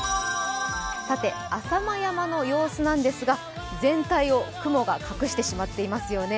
さて浅間山の様子なんですが全体を雲が隠してしまっていますよね。